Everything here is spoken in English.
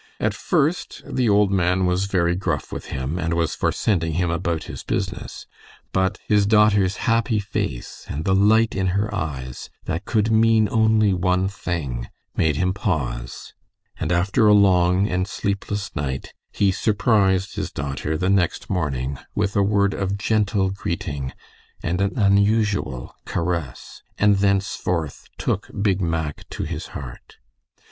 At first the old man was very gruff with him, and was for sending him about his business, but his daughter's happy face, and the light in her eyes, that could mean only one thing, made him pause, and after a long and sleepless night, he surprised his daughter the next morning with a word of gentle greeting and an unusual caress, and thenceforth took Big Mack to his heart.